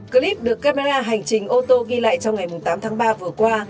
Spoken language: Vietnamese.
clip được camera hành trình ô tô ghi lại trong ngày tám tháng ba vừa qua